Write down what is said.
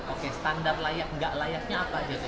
oke standar layak nggak layaknya apa gitu